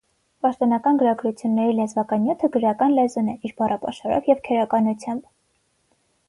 Պաշտոնական գրագրությունների լեզվական նյութը գրական լեզուն է՝ իր բառապաշարով և քերականությամբ։